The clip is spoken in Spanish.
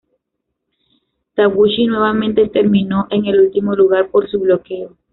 Taguchi nuevamente terminó en el último lugar por su bloqueo.